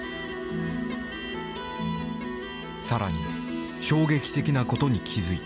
更に衝撃的なことに気付いた。